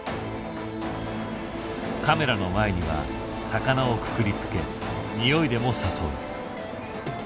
カメラの前には魚をくくりつけ匂いでも誘う。